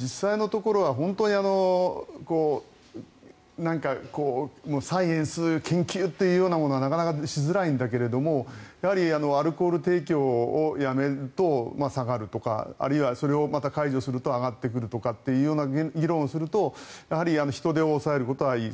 実際のところは本当にサイエンス、研究というものはなかなかしづらいんだけれどもアルコール提供をやめると下がるとかあるいはまたそれを解除すると上がってくるという議論をすると人出を抑えることはいい。